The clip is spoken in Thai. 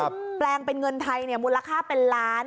แปลงเป็นเงินไทยเนี่ยมูลค่าเป็นล้าน